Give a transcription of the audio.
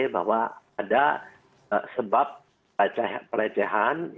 bahwa ada sebab pelecehan